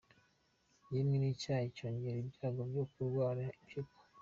yemwe n’icyayi byongera ibyago byo kurwara impyiko.